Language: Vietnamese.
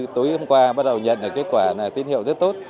tối hôm qua bắt đầu nhận kết quả là tiến hiệu rất tốt